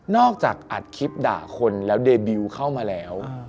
จากอัดคลิปด่าคนแล้วเดบิลเข้ามาแล้ว